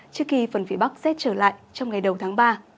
trước khi phần phía bắc rét trở lại trong ngày đầu tháng ba